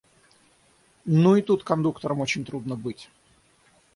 Ну, и тут кондуктором очень трудно быть!